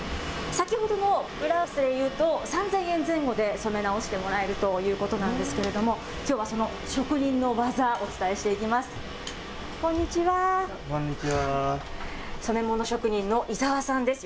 先ほどのブラウスでいうと、３０００円前後で染め直してもらえるということなんですけれども、きょうは、その職人の技、お伝えしていきます。